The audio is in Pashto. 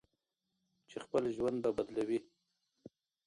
چې خپل ژوند به بدلوي.